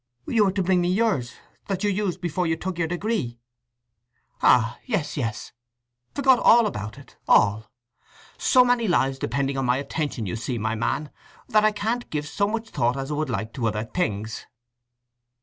"You were to bring me yours, that you used before you took your degree." "Ah, yes, yes! Forgot all about it—all! So many lives depending on my attention, you see, my man, that I can't give so much thought as I would like to other things."